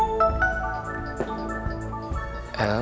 oke nanti aku bakal datang